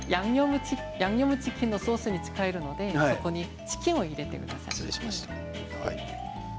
ヤンニョムチキンのソースに使えるのでそこにチキンを入れてください。